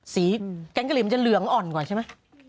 แกงกะหรี่มันจะเหลืองอ่อนกว่าใช่ไหม